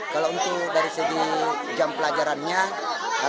kalau untuk dari segi jam pelajarannya